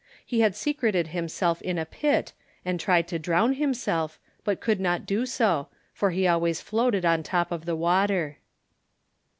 He had secreted himself in a pit, and tried to drown himself, but could not do so, for he always floated on the top of the water.